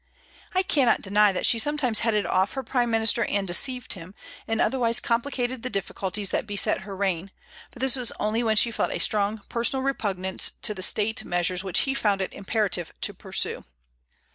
I cannot deny that she sometimes headed off her prime minister and deceived him, and otherwise complicated the difficulties that beset her reign; but this was only when she felt a strong personal repugnance to the state measures which he found it imperative to pursue.